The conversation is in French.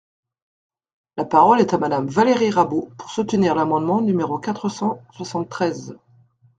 La parole est à Madame Valérie Rabault, pour soutenir l’amendement numéro quatre cent soixante-treize.